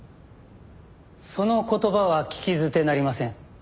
その言葉は聞き捨てなりません。